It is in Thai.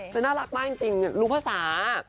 น่ารักมากจริงรู้ภาษา